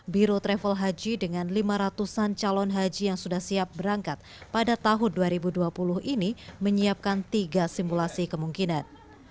biro travel haji dengan lima ratus an calon haji yang sudah siap berangkat pada tahun dua ribu dua puluh ini menyiapkan tiga simulasi kemungkinan